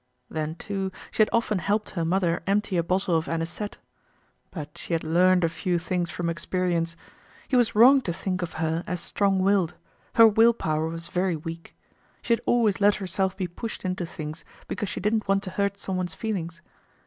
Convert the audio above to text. Then too, she had often helped her mother empty a bottle of anisette. But she had learned a few things from experience. He was wrong to think of her as strong willed; her will power was very weak. She had always let herself be pushed into things because she didn't want to hurt someone's feelings.